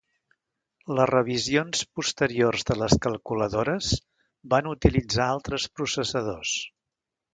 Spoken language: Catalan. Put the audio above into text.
Les revisions posteriors de les calculadores van utilitzar altres processadors.